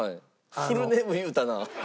フルネーム言うたな。